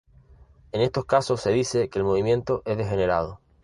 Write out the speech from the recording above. En estos casos se dice que el movimiento es degenerado.